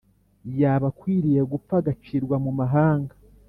yaba akwiriye gupfa agacirwa mu mahanga